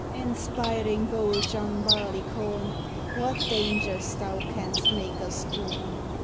Inspiring bold John Barleycorn ! What dangers thou canst make us scorn